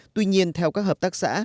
tuy nhiên theo các hợp tác xã